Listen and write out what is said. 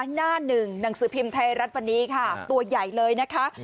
หน้าหนึ่งหนังสือพิมพ์ไทยรัฐวันนี้ค่ะตัวใหญ่เลยนะคะ